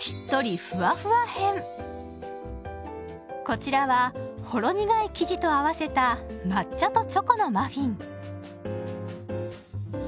こちらはほろ苦い生地と合わせた抹茶とチョコのマフィン。